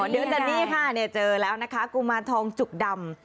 เดี๋ยวแต่นี่ค่ะเจอแล้วนะคะกุมารทองจุกดำ